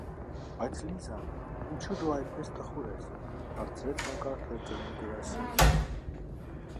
- Բայց Լի՜զա, ինչո՞ւ դու այդպես տխուր ես, - հարցրեց հանկարծ լրջորեն Գարասիմը: